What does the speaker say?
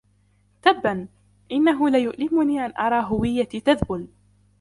تبا! إنه ليؤلمني أن أرى هويتي تذبل.